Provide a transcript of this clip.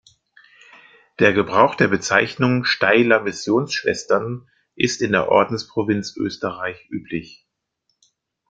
Der Gebrauch der Bezeichnung "Steyler Missionsschwestern" ist in der Ordensprovinz Österreich üblich.